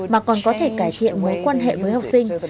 mà còn có thể cải thiện mối quan hệ với học sinh